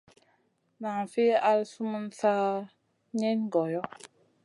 Nan fi al sumun sa ka niyn goyo.